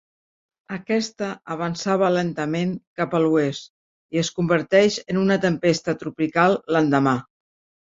Aquesta avançava lentament cap a l'oest, i es converteix en una tempesta tropical l'endemà.